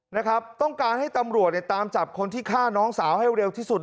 นะครับต้องการให้ตำรวจเนี่ยตามจับคนที่ฆ่าน้องสาวให้เร็วที่สุด